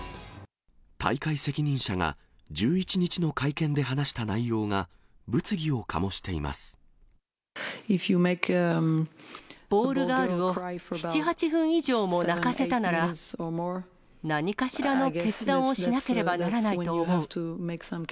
大会責任者が、１１日の会見で話ボールガールを７、８分以上も泣かせたなら、何かしらの決断をしなければならないと思う。